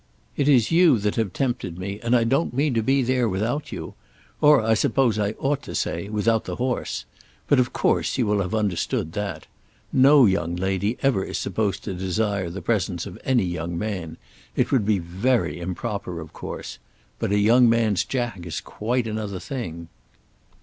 It is you that have tempted me and I don't mean to be there without you, or I suppose I ought to say, without the horse. But of course you will have understood that. No young lady ever is supposed to desire the presence of any young man. It would be very improper of course. But a young man's Jack is quite another thing.